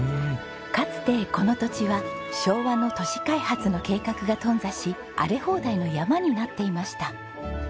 かつてこの土地は昭和の都市開発の計画が頓挫し荒れ放題の山になっていました。